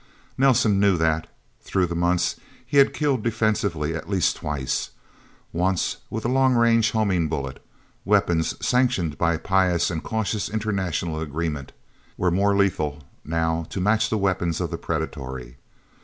Nelsen knew that, through the months, he had killed defensively at least twice. Once, with a long range homing bullet weapons sanctioned by pious and cautious international agreement, were more lethal, now, to match the weapons of the predatory.